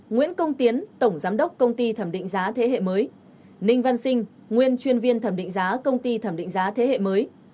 nguyễn công tiến tổng giám đốc công ty thẩm định giá thế hệ mới ninh văn sinh nguyên chuyên viên thẩm định giá công ty thẩm định giá thế hệ mới